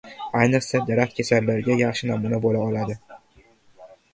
Ayniqsa, daraxtkesarlarga yaxshi namuna bo'la oladi!